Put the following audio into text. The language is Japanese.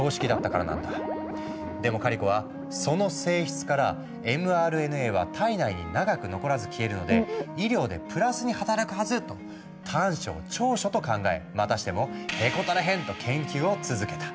でもカリコは「その性質からｍＲＮＡは体内に長く残らず消えるので医療でプラスに働くはず！」と短所を長所と考えまたしても「へこたれへん！」と研究を続けた。